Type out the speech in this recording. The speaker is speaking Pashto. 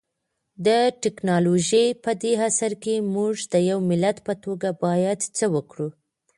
د ټکنالوژۍ پدې عصر کي مونږ د يو ملت په توګه بايد څه وکړو؟